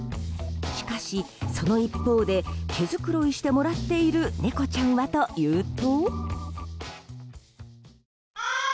しかし、その一方で毛づくろいしてもらっている猫ちゃんはというと。